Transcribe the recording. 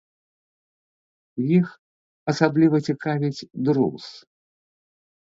Іх асабліва цікавіць друз.